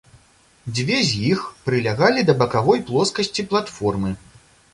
Дзве з іх прылягалі да бакавой плоскасці платформы.